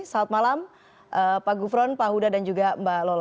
selamat malam pak gufron pak huda dan juga mbak lola